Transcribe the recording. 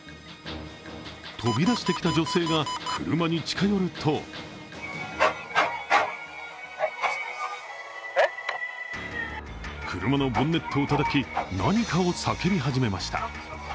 飛び出してきた女性が車に近寄ると車のボンネットをたたき、何かを叫び始めました。